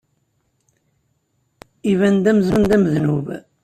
Iban-d amzun d amednub.